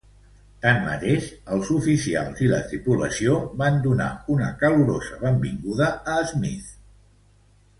Tanmateix, els oficials i la tripulació van donar una calorosa benvinguda a Smith.